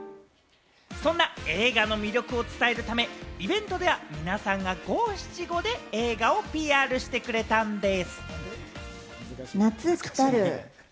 そんな映画の魅力を伝えるため、イベントでは皆さんが五七五で映画をＰＲしてくれたんです。